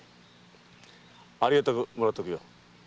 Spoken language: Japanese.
ありがたくもらっとくよ。